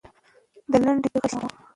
د لنډۍ توري غشی نه و.